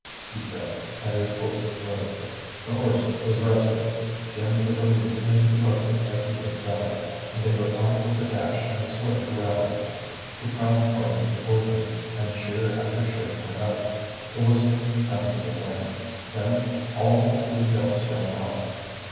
he said, and his voice broke. The horse was restive. Jim took a leap into the buggy at Eva's side, and they were out with a dash and a swift rattle. The crowd parted before them, and cheer after cheer went up. The whistles sounded again. Then all the city bells rang out.